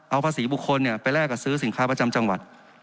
เอาภาษีบุคคลไปแลกกับซื้อสินค้าประจำจังหวัด